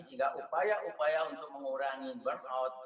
sehingga upaya upaya untuk mengurangi burn out